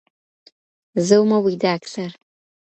زه ومه ويده اكثر